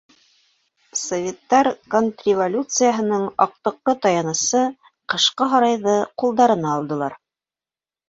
Советтар контрреволюцияның аҡтыҡҡы таянысы — Ҡышҡы һарайҙы ҡулдарына алдылар.